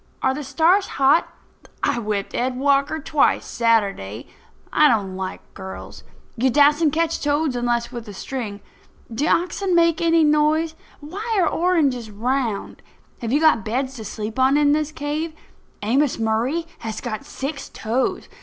Are the stars hot? I whipped Ed Walker twice, Saturday. I don't like girls. You dassent catch toads unless with a string. Do oxen make any noise? Why are oranges round? Have you got beds to sleep on in this cave? Amos Murray has got six toes.